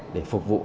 để phục vụ